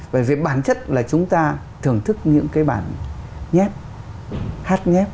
bởi vì bản chất là chúng ta thưởng thức những cái bản nhép hát nhép